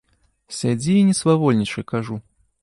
Сядзі і не свавольнічай, кажу.